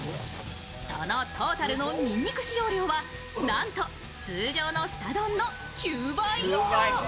そのトータルのにんにく使用量はなんと通常のすた丼の９倍以上。